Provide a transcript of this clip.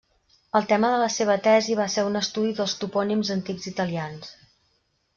El tema de la seva tesi va ser un estudi dels topònims antics italians.